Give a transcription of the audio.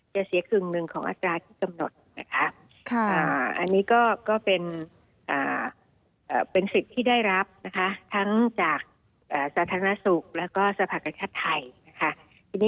จะเสียครึ่งหนึ่งของอาจารย์ที่กำหนดอันนี้ก็เป็นสิทธิ์ที่ได้รับทั้งจากสาธารณสุขและสภาคชาติไทย